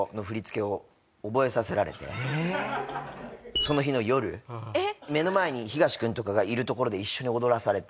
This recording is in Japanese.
その日の夜目の前にヒガシ君とかがいる所で一緒に踊らされて。